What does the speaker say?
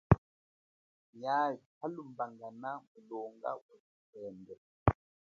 Nyali halumbangana mulonga wathusendo.